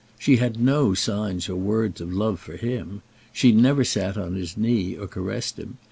She had no signs or words of love for him. She never sat on his knee, or caressed him.